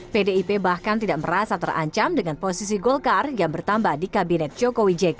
pdip bahkan tidak merasa terancam dengan posisi golkar yang bertambah di kabinet jokowi jk